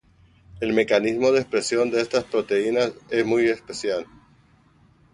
El mecanismo de expresión de estas proteínas es muy especial.